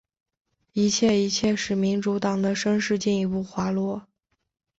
一切一切使民主党的声势进一步滑落。